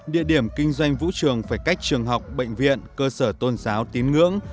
địa điểm kinh doanh vũ trường phải cách trường học bệnh viện cơ sở tôn giáo tín ngưỡng